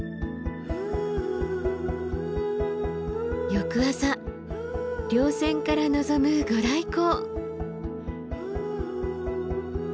翌朝稜線から望む御来光。